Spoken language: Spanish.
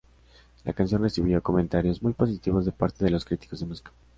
La canción recibió comentarios muy positivos de parte de los críticos de música.